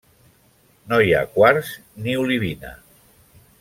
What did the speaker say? No hi ha quars ni olivina.